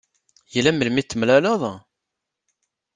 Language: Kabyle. Yella melmi i t-temlaleḍ?